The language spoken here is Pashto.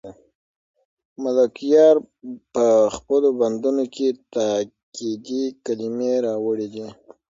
ملکیار په خپلو بندونو کې تاکېدي کلمې راوړي دي.